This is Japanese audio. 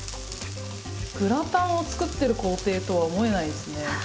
グラタンを作ってる工程とは思えないですね。